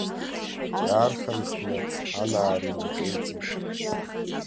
Иаархынҳәны, анаара инаҿеиҵеит.